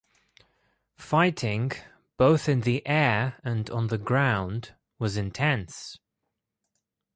Fighting, both in the air and on the ground, was intense.